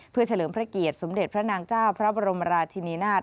เพื่อเฉลิมพระเกียรติสมเด็จพระนางเจ้าพระบรมราชินีนาฏ